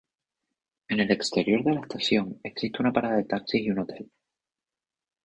En el exterior de la estación existe una parada de taxis y un hotel.